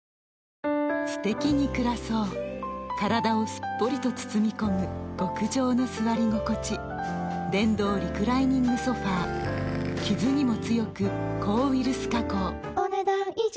すてきに暮らそう体をすっぽりと包み込む極上の座り心地電動リクライニングソファ傷にも強く抗ウイルス加工お、ねだん以上。